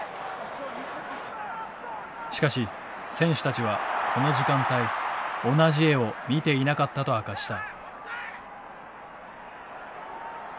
しかし選手たちはこの時間帯「同じ絵」を見ていなかったと明かした。